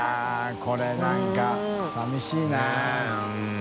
これなんかさみしいなねぇうん。